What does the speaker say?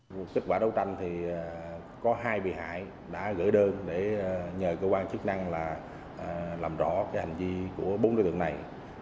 một kết quả đấu tranh thì có hai bị hại đã gửi đơn để nhờ cơ quan chức năng là làm rõ hành vi của bốn đối tượng này